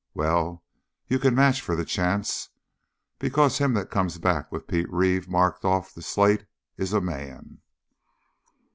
Well, you can match for the chance! Because him that comes back with Pete Reeve marked off the slate is a man!"